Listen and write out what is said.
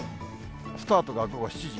スタートが午後７時。